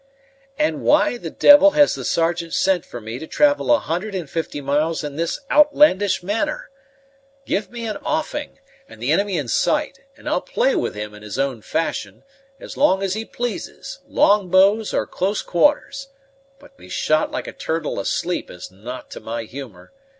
"And why the devil has the Sergeant sent for me to travel a hundred and fifty miles in this outlandish manner? Give me an offing, and the enemy in sight, and I'll play with him in his own fashion, as long as he pleases, long bows or close quarters; but to be shot like a turtle asleep is not to my humor.